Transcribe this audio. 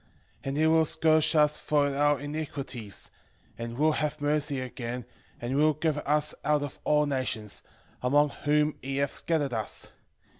13:5 And he will scourge us for our iniquities, and will have mercy again, and will gather us out of all nations, among whom he hath scattered us.